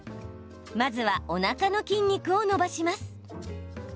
まずは、おなかの筋肉を伸ばします。